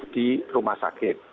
di rumah sakit